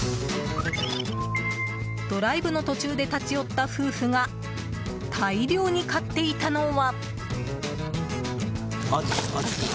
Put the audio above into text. ドライブの途中で立ち寄った夫婦が、大量に買っていたのは。